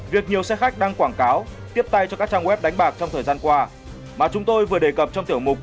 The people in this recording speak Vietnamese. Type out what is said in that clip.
việc nhiều xe khách đăng quảng cáo tiếp tay cho các trang web đánh bạc trong thời gian qua mà chúng tôi vừa đề cập trong tiểu mục cư dân mạng